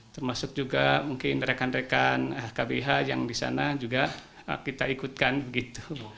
termasuk juga mungkin rekan rekan kbh yang di sana juga kita ikutkan begitu